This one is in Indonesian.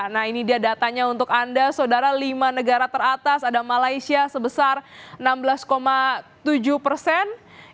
nah ini dia datanya untuk anda saudara lima negara teratas ada malaysia sebesar enam belas tujuh persen